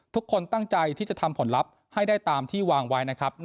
ทุกคนตั้งใจที่จะทำผลลัพธ์ให้ได้ตามที่วางไว้นะครับ